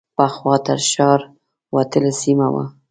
پخوا تر ښار وتلې سیمه وه.